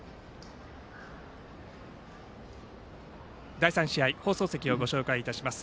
第３試合、放送席をご紹介します。